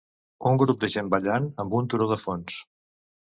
Un grup de gent ballant amb un turó de fons.